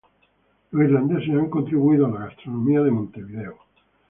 Los irlandeses han contribuido a la gastronomía de Montevideo.